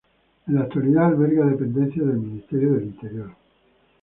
En la actualidad alberga dependencias del Ministerio del Interior.